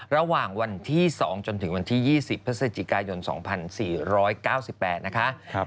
ระหว่างวันที่๒จนถึงวันที่๒๐พฤศจิกายน๒๔๙๘นะคะ